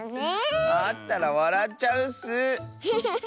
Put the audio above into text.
あったらわらっちゃうッス。